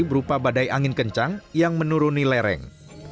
berupa badai angin kencang yang menuruni lereng